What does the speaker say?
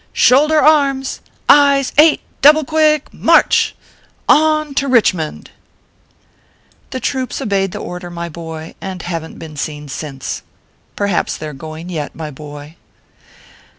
" Shoulder Arms Eyes Eight Double quick, March ! On to Kichmond 1" The troops obeyed the order ; my boy, and haven t been seen since. Perhaps they re going yet, my boy.